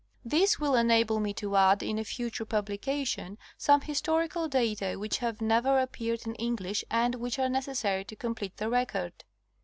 This will enable me to add, in a future publication, some historical data which have never appeared in English and which are necessary to complete the record.